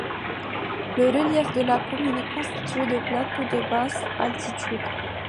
Le relief de la commune est constitué de plateaux de basse altitude.